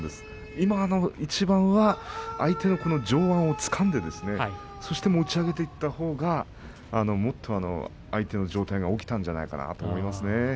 今の一番は相手の上腕をつかんでそして持ち上げていったほうがもっと相手の上体が起きたんじゃないかなと思います。